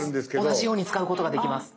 同じように使うことができます。